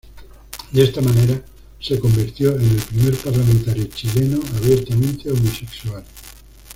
De esta manera, se convirtió en el primer parlamentario chileno abiertamente homosexual.